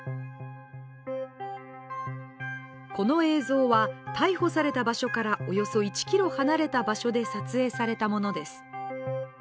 この映像は逮捕された場所からおよそ１ｋｍ離れた場所で撮影されたものです。